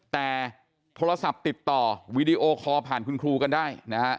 แต่โทรศัพท์ติดต่อวีดีโอคอลผ่านคุณครูกันได้นะฮะ